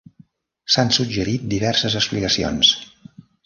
S'han suggerit diverses explicacions.